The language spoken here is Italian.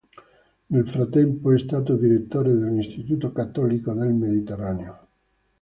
Nel frattempo è stato direttore dell'Istituto cattolico del Mediterraneo.